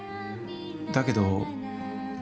だけど。